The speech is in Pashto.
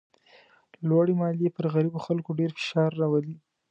لوړې مالیې پر غریبو خلکو ډېر فشار راولي.